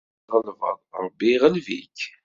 Win tɣelbeḍ, Ṛebbi iɣleb-ik.